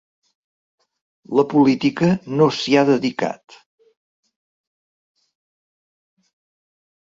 La política no s’hi ha dedicat.